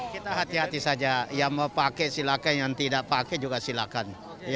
kita hati hati saja yang mau pakai silakan yang tidak pakai juga silakan